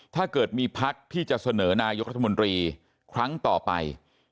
ถ้าเกิดมีพักที่จะเสนอนายกรัฐมนตรีครั้งต่อไป